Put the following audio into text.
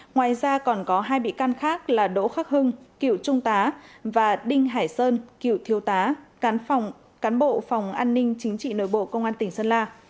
ngoài ra còn có hai bị can khác là đỗ khắc hưng cựu trung tá và đinh hải sơn cựu thiếu tá cán bộ phòng an ninh chính trị nội bộ công an tỉnh sơn la